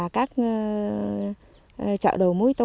các chợ đầu mối to